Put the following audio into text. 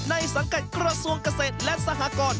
สังกัดกระทรวงเกษตรและสหกร